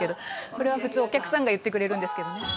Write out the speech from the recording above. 「これは普通お客さんが言ってくれるんですけどね」